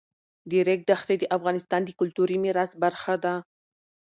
د ریګ دښتې د افغانستان د کلتوري میراث برخه ده.